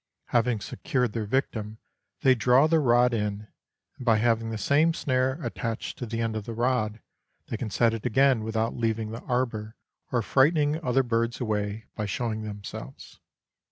Having secured their victim, they draw the rod in, and by having the same snare attached to the end of the rod, they can set it again without leaving the arbour or frightening other birds away by showing themselves.